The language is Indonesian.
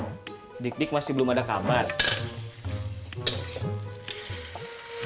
situasinya sangat kondusif kita bisa beroperasi sendiri sendiri tanpa ada yang harus bertugas mengalihkan perhatian